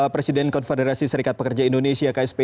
presiden konfederasi serikat pekerja indonesia ksp